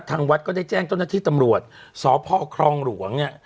ทางวัดก็ได้แจ้งเจ้าหน้าที่ตำรวจสพครองหลวงเนี่ย